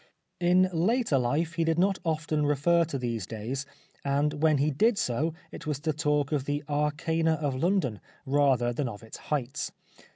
In later life he did not often refer to these days, and when he did so it was to talk of the arcana of London rather than of its heights.